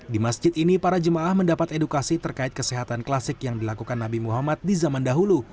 di masjid ini para jemaah mendapat edukasi terkait kesehatan klasik yang dilakukan nabi muhammad di zaman dahulu